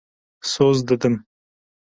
Soz didim.